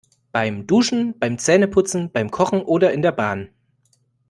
Beim Duschen, beim Zähneputzen, beim Kochen oder in der Bahn.